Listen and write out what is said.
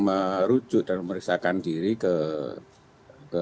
merujuk dan memeriksakan diri ke